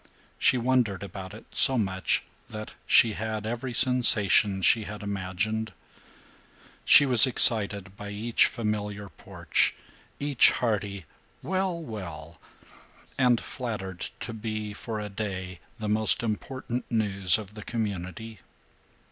She wondered about it so much that she had every sensation she had imagined. She was excited by each familiar porch, each hearty "Well, well!" and flattered to be, for a day, the most important news of the community.